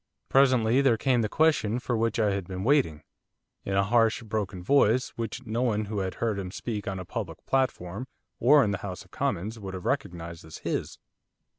Presently there came the question for which I had been waiting, in a harsh, broken voice which no one who had heard him speak on a public platform, or in the House of Commons, would have recognised as his.